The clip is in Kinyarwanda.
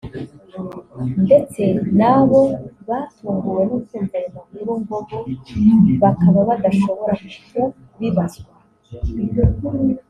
ndetse nabo batunguwe no kumva ayo makuru ngo bo bakaba badashobora kubibazwa